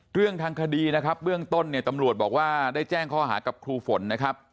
เรื่องทางคดีนะครับเบื้องต้นเนี่ยตำรวจบอกว่าได้แจ้งข้อหากับครูฝนนะครับ